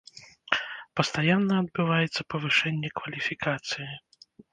Пастаянна адбываецца павышэнне кваліфікацыі.